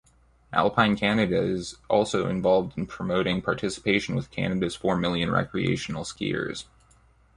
Alpine Canada is also involved in promoting participation within Canada's four million recreational skiers.